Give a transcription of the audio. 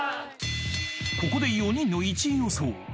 ［ここで４人の１位予想］